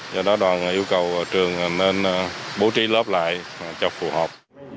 do đó đoàn yêu cầu trường nên bố trí lớp lại cho phù hợp